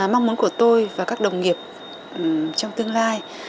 mong muốn của tôi và các đồng nghiệp trong tương lai